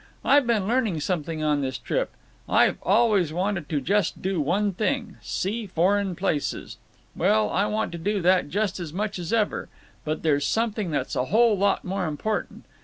I've been learning something on this trip. I've always wanted to just do one thing—see foreign places. Well, I want to do that just as much as ever. But there's something that's a whole lot more important.